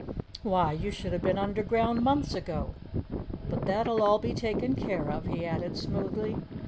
Why, you should have been underground months ago! But that'll all be taken care of," he added smoothly.